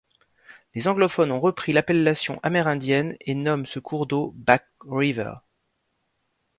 Les anglophones ont repris l'appellation amérindienne et nomment ce cours d'eau Back River.